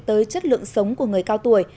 tới chất lượng sống của người cao tuổi